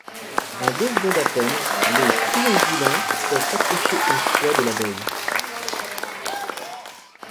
En deux secondes à peine, les triongulins peuvent s'accrocher aux soies de l'abeille.